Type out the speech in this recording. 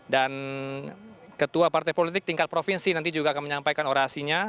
ketua partai politik tingkat provinsi nanti juga akan menyampaikan orasinya